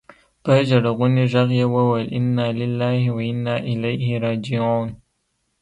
په ژړغوني ږغ يې وويل انا لله و انا اليه راجعون.